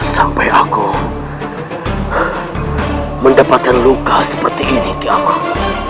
sampai aku mendapatkan luka seperti ini di awal